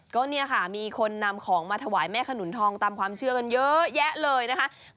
ก็เนี่ยค่ะมีคนนำของมาถวายแม่ขนุนทองตามความเชื่อกันเยอะแยะเลยนะคะ